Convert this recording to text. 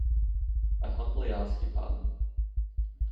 I humbly ask your pardon.